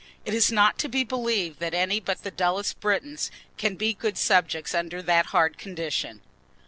It is not to be believed that any but the dullest Britons can be good subjects under that hard condition.